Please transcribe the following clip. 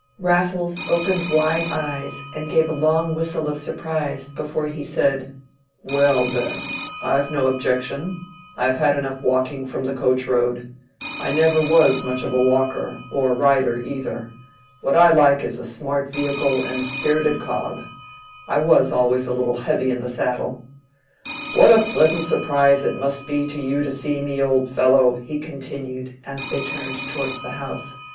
Raffles opened wide eyes, and gave a long whistle of surprise, before he said, "Well then, I've no objection. I've had enough walking from the coach road. I never was much of a walker, or rider either. What I like is a smart vehicle and a spirited cob. I was always a little heavy in the saddle. What a pleasant surprise it must be to you to see me, old fellow!" he continued, as they turned towards the house.